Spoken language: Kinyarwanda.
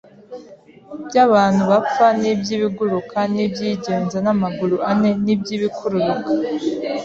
by’abantu bapfa n’iby’ibiguruka, n’iby’ibigenza amaguru ane n’iby’ibikururuka.